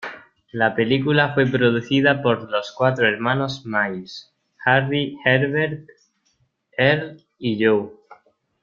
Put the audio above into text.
La película fue producida por los cuatro hermanos Miles: Harry, Herbert, Earle y Joe.